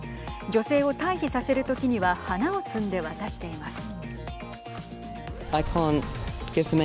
女性を退避させるときには花を摘んで渡しています。